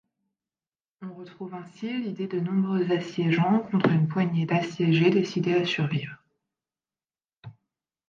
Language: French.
On retrouve ainsi l'idée de nombreux assiégeants contre une poignée d'assiégés décidés à survivre.